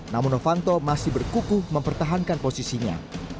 namun novanto masih berkukuh mempertahankan posisinya